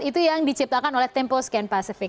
itu yang diciptakan oleh tempo scan pacific